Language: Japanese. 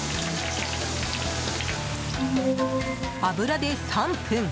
油で３分。